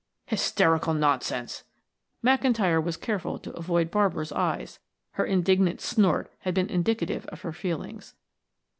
"Hysterical nonsense!" McIntyre was careful to avoid Barbara's eyes; her indignant snort had been indicative of her feelings.